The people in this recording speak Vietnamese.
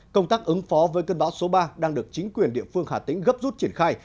công tác ứng phó với cơn bão số ba đang được chính quyền địa phương hà tĩnh gấp rút triển khai